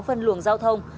phân luồng giao thông